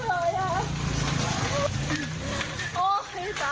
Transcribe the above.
อ้าวดูดิหมดไม่หมดเลยอ่ะ